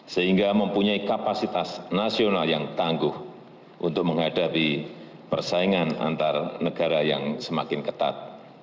sehingga mempunyai kapasitas nasional yang tangguh untuk menghadapi persaingan antar negara yang semakin ketat